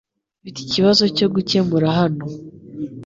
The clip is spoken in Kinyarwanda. Mfite ikibazo cyo gukemura hano.